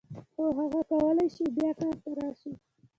هو هغه کولای شي بیا کار ته راشي.